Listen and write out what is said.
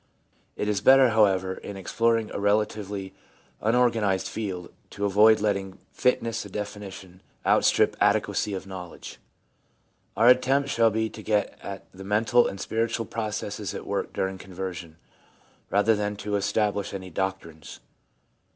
It is better, however, in exploring a relatively unor ganised field, to avoid letting fineness of definition out strip adequacy of knowledge. Our attempt shall be to get at the mental and spiritual processes at work during conversion, rather than to establish any doc trines.